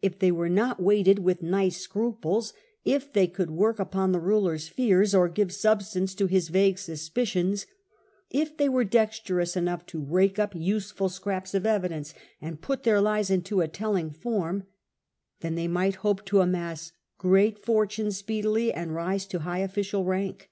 If they were not weighted with nice scruples, if they could work upon the ruleEs fears or give substance to his vague suspicions ; if they were dexterous enough to rake up useful scraps of evidence and put their lies into a telling form, then they might hope to amass great fortunes speedily and to rise to high official rank.